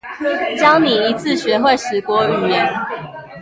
教你一次學會十國語言